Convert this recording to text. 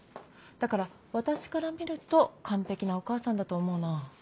だから私から見ると完璧なお母さんだと思うな。